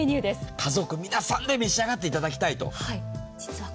家族皆さんで召し上がっていただきたいと。